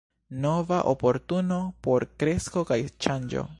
Nova oportuno por kresko kaj ŝanĝo.